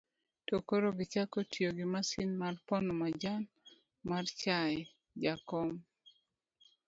to koro gichako tiyo gi masin mar pono majan mar chaye. jakom